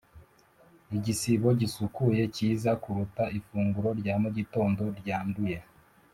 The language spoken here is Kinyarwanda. igisibo gisukuye cyiza kuruta ifunguro rya mugitondo ryanduye.